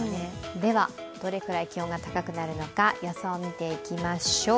では、どれくらい気温が高くなるのか予想見ていきましょう。